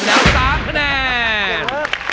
ดังแหละ๓คะแนน